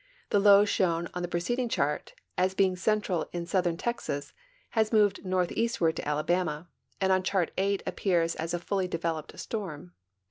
The low shown on the preced ing chart as heinj; central in southern Texas has moved northeast ward to Alabama, and on Chart VIII appears as a fully developed storm.